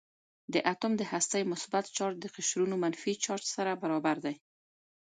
د اتوم د هستې مثبت چارج د قشرونو منفي چارج سره برابر دی.